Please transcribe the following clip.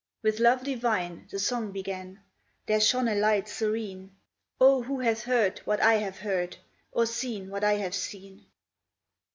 With love divine, the song began; there shone a light serene: O, who hath heard what I have heard, or seen what I have seen?